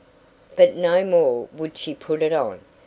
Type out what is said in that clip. But no more would she put it on.